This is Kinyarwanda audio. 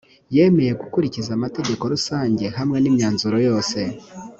yemeye gukurikiza amategeko rusange hamwe n’imyanzuro yose